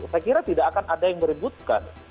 saya kira tidak akan ada yang meributkan